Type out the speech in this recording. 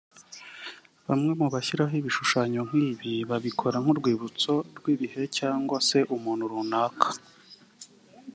Bamwe mu bashyiraho ibishushanyo nk’ibi babikora nk’urwibutso rw’ibihe cyangwa se umuntu runaka